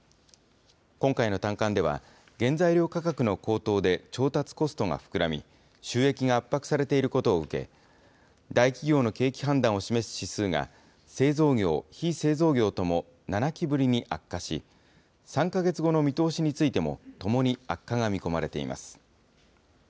今回の短観では、原材料価格の高騰で調達コストが膨らみ、収益が圧迫されていることを受け、大企業の景気判断を示す指数が製造業、非製造業とも７期ぶりに悪化し、３か月後の見通しについてもともに悪化が見込まれています。